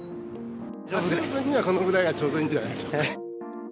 走る分にはこのぐらいがちょうどいいんじゃないでしょうか。